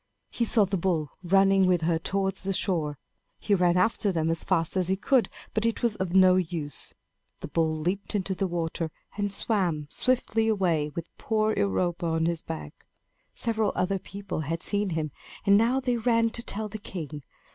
He saw the bull running with her towards the shore. He ran after them as fast as he could, but it was of no use. The bull leaped into the sea, and swam swiftly away, with poor Europa on his back. Several other people had seen him, and now they ran to tell the king.